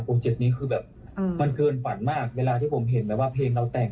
เจ็ตนี้คือแบบมันเกินฝันมากเวลาที่ผมเห็นแบบว่าเพลงเราแต่ง